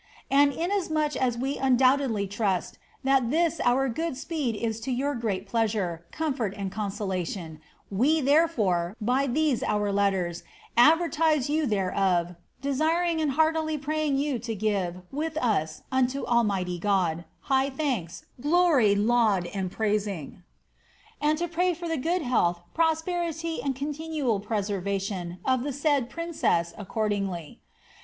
And inasmuch as we undoubtedly trust, that this our good speed is to your great pleasure, comfort, and consolation, we, therefore, by these our letters advertise you thereof^ desiring and heartily praying you to give, with us, unto Almighty God, high thanks, glory, laud, and praising ; and to pray for the good health, prosperity, and continual preservation, of the said princet accordingly.